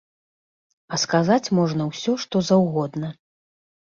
А сказаць можна ўсё што заўгодна.